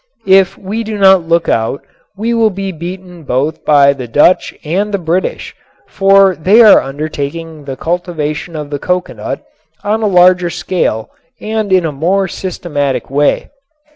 If we do not look out we will be beaten both by the Dutch and the British, for they are undertaking the cultivation of the coconut on a larger scale and in a more systematic way.